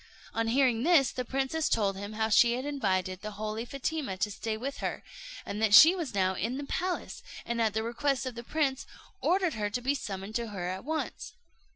On hearing this, the princess told him how she had invited the holy Fatima to stay with her, and that she was now in the palace; and at the request of the prince, ordered her to be summoned to her at once.